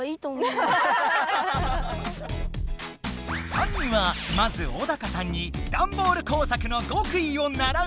３人はまずオダカさんにダンボール工作の極意を習うことに。